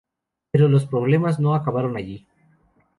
Pero los problemas no acabaron allí.